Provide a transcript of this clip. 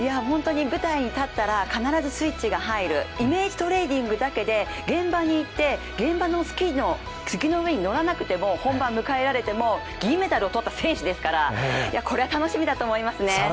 本当に舞台に立ったら必ずスイッチが入るイメージトレーニングだけで現場に行って、現場のスキーの雪の上に乗らなくても本番迎えられても、銀メダルを獲った選手ですから、これは楽しみだと思いますね